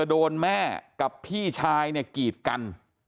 โดนแม่กับพี่ชายเนี่ยกีดกัน